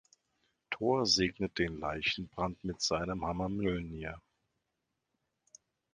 Thor segnet den Leichenbrand mit seinem Hammer Mjölnir.